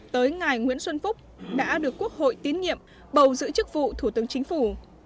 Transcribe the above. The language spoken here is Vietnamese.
tới ngày nguyễn xuân phúc đã được quốc hội tiến nhiệm bầu giữ chức vụ thủ tướng chính phủ